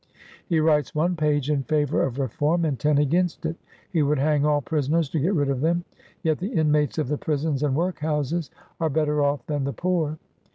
He writes one page in favor of reform and ten against it. He would hang all prisoners to get rid of them ; yet the inmates of the prisons and workhouses are better off than the poor.